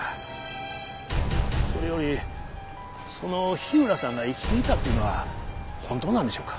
それよりその火浦さんが生きていたっていうのは本当なんでしょうか？